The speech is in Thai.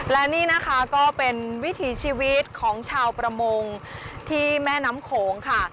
และนี่นะคะก็เป็นวิถีชีวิตของชาวประมงที่แม่น้ำโขงค่ะ